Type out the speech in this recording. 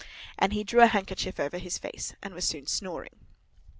And he drew a handkerchief over his face and was soon snoring.